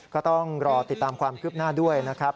ก็ต้องรอติดตามความคืบหน้าด้วยนะครับ